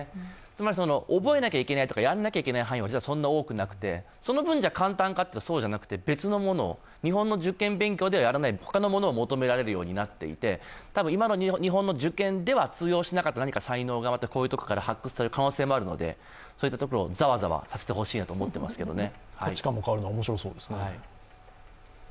つまり、覚えなきゃいけないとか、やらなきゃいけない範囲はそんなに多くなくて、その分、簡単かというとそうではなくて別のものを日本の受験勉強ではやらない他のものを求められるようになっていて今の日本の受験では通用しなかった何か才能がこういうところから発掘させる可能性があるのでそういったところをザワザワさせてほしいなと思ってますけどね。